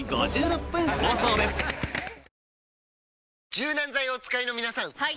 柔軟剤をお使いの皆さんはい！